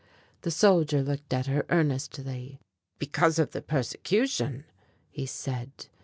The soldier looked at her earnestly. "Because of the persecution," he said.